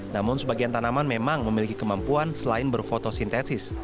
namun sebagian tanaman memang memiliki kemampuan selain berfotosintesis